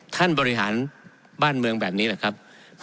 ท่านบริหารบ้านเมืองแบบนี้หรือครับ